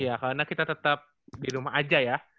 iya karena kita tetap di rumah aja ya